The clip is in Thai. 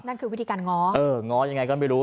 นั่นคือวิธีการง้อเออง้อยังไงก็ไม่รู้